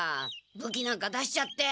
武器なんか出しちゃって。